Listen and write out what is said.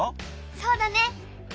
そうだね！